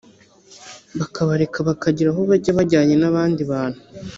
bakabareka bakagira aho bajya bajyanye n abandi bantu